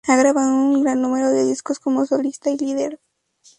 Ha grabado un gran número de discos como solista y líder.